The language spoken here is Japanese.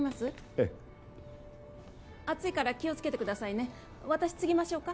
ええ熱いから気をつけてくださいね私つぎましょうか？